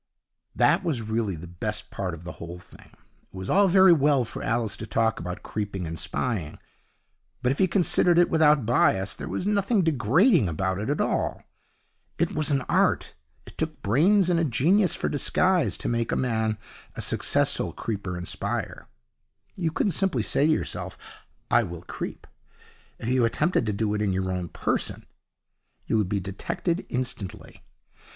That was really the best part of the whole thing. It was all very well for Alice to talk about creeping and spying, but, if you considered it without bias, there was nothing degrading about it at all. It was an art. It took brains and a genius for disguise to make a man a successful creeper and spyer. You couldn't simply say to yourself, 'I will creep.' If you attempted to do it in your own person, you would be detected instantly.